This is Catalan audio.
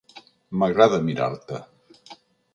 M'agrada mirar-te.